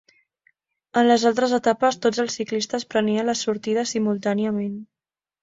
En les altres etapes tots els ciclistes prenien la sortida simultàniament.